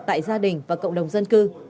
tại gia đình và cộng đồng dân cư